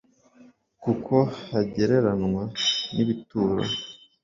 kuko hagereranwa n'ibituro